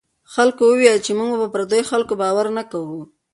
خلکو وویل چې موږ په پردیو خلکو باور نه کوو.